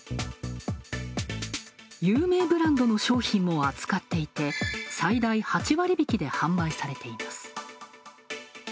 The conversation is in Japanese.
有名ブランドの商品も扱っていて最大８割引で販売されています。